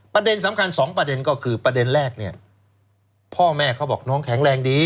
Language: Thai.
ประเด็นสำคัญสองประเด็นก็คือประเด็นแรกเนี่ยพ่อแม่เขาบอกน้องแข็งแรงดี